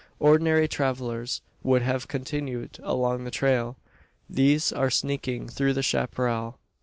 Ordinary travellers would have continued along the trail. These are sneaking through the chapparal!